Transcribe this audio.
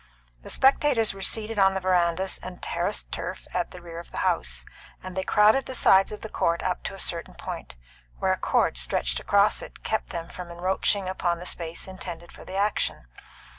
The spectators were seated on the verandas and terraced turf at the rear of the house, and they crowded the sides of the court up to a certain point, where a cord stretched across it kept them from encroaching upon the space intended for the action.